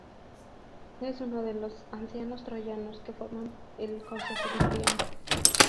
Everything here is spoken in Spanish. Es uno de los ancianos troyanos que forman el consejo de Príamo.